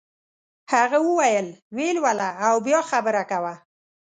هغه وویل ویې لوله او بیا خبره کوه.